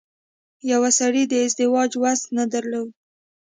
يوه سړي د ازدواج وس نه درلود.